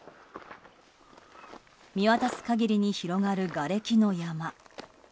見渡す限りに広がるがれきの山。